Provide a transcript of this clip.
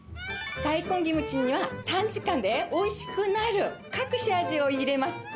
大根キムチが短時間でおいしくなる隠し味を入れます。